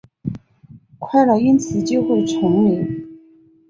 快乐因此就会重临？